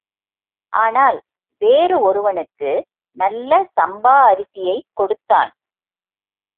ஆனால் வேறு ஒருவனுக்கு நல்ல சம்பா அரிசியைக் கொடுத்தான்.